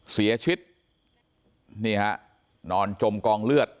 เสียชีวิตนี่ฮะนอนจมกองเลือด